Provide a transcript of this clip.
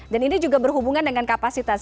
dan ini juga berhubungan dengan kapasitas